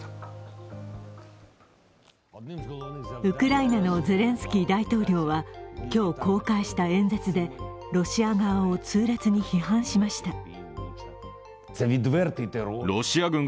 ウクライナのゼレンスキー大統領は今日公開した演説でロシア側を痛烈に批判しました。